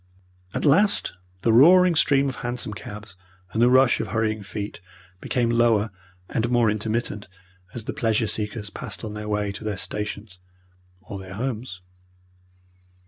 At last the roaring stream of hansom cabs and the rush of hurrying feet became lower and more intermittent as the pleasure seekers passed on their way to their stations or their homes.